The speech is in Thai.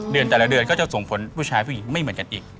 เดือนแต่ละเดือนก็จะส่งผลผู้ชายผู้หญิงไม่เหมือนกันอีก